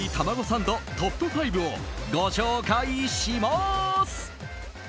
サンドトップ５をご紹介します。